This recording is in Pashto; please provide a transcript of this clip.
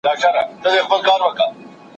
مباح طلاق هغه دی.